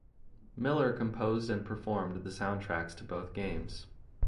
Miller composed and performed the soundtracks to both games.